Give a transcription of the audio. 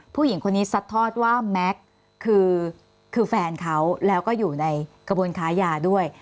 ผู้หญิงคนนี้ซัดทอดว่าแม็กซ์คือแฟนเขาแล้วก็อยู่ในกระบวนค้ายาด้วย